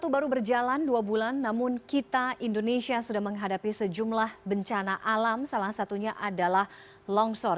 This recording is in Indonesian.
dua ribu dua puluh satu baru berjalan dua bulan namun kita indonesia sudah menghadapi sejumlah bencana alam salah satunya adalah longsor